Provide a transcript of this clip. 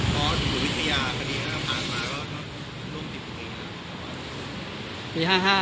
ตอนศูนย์วิทยาค่ะนี้ผ่านมาก็ร่วม๑๐ปีครับ